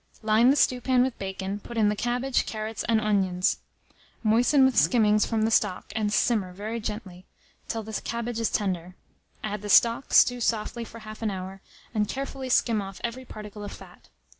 Line the stewpan with the bacon, put in the cabbage, carrots, and onions; moisten with skimmings from the stock, and simmer very gently, till the cabbage is tender; add the stock, stew softly for half an hour, and carefully skim off every particle of fat.